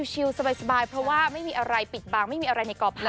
ชิลสบายเพราะว่าไม่มีอะไรปิดบางไม่มีอะไรในกอภัย